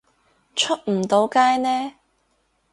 出唔到街呢